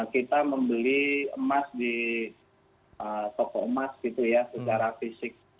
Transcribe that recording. kita membeli emas di toko emas secara fisik